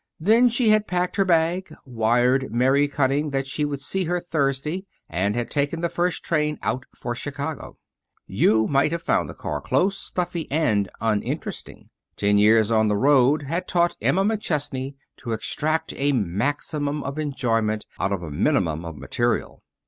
Then she had packed her bag, wired Mary Cutting that she would see her Thursday, and had taken the first train out for Chicago. You might have found the car close, stuffy, and uninteresting. Ten years on the road had taught Emma McChesney to extract a maximum of enjoyment out of a minimum of material.